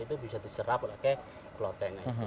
itu bisa diserap pakai kloten